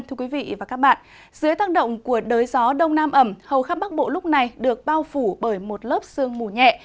thưa quý vị và các bạn dưới tác động của đới gió đông nam ẩm hầu khắp bắc bộ lúc này được bao phủ bởi một lớp sương mù nhẹ